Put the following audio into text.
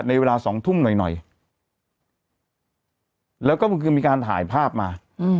ในเวลา๒ทุ่มหน่อยแล้วก็มีการถ่ายภาพมา